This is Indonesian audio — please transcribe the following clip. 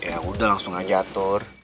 ya udah langsung aja atur